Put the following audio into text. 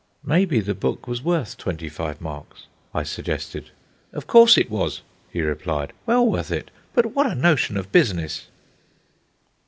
"Maybe the book was worth twenty five marks," I suggested. "Of course it was," he replied; "well worth it. But what a notion of business!"